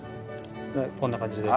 こんな感じで。